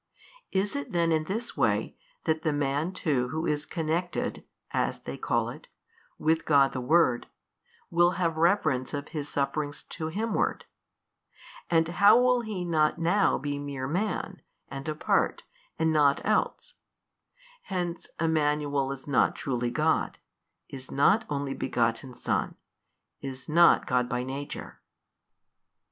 Is it then in this way that the man too who is connected (as they call it) with God the Word, will have reference of his sufferings to Himward? And how will he not now be mere man and apart and nought else? Hence Emmanuel is not truly God, is not Only Begotten Son, is not God by Nature.